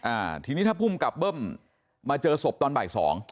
อ่าทีนี้ถ้าภูมิกับเบิ้มมาเจอศพตอนบ่ายสอง